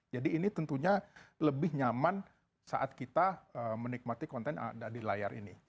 jadi ini tentunya lebih nyaman saat kita menikmati konten ada di layar ini